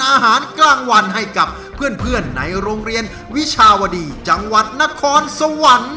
อาหารกลางวันให้กับเพื่อนในโรงเรียนวิชาวดีจังหวัดนครสวรรค์